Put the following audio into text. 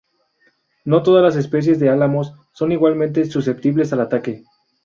No todas las especies de álamos son igualmente susceptibles al ataque.